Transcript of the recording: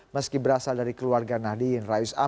meski berasal dari keluarga nadine rayusam